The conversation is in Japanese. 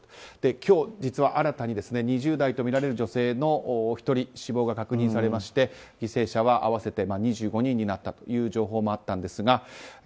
今日、新たに２０代とみられる女性のお一人死亡が確認されまして犠牲者は合わせて２５人になったという情報もあったんですが